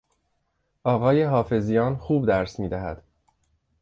آقای حافظیان خوب درس میدهد.